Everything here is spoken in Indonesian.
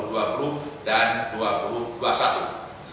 transmisi perlenggaran kebijakan monotel